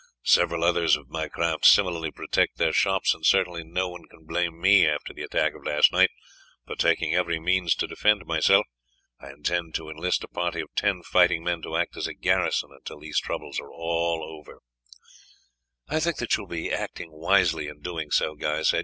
Several others of my craft similarly protect their shops; and certainly no one can blame me, after the attack of last night, for taking every means to defend myself. I intend to enlist a party of ten fighting men to act as a garrison until these troubles are all over." "I think that you will act wisely in doing so," Guy said.